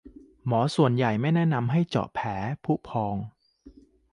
หมอส่วนใหญ่ไม่แนะนำให้เจาะแผลผุพอง